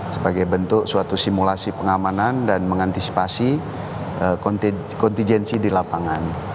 sebagai bentuk suatu simulasi pengamanan dan mengantisipasi kontingensi di lapangan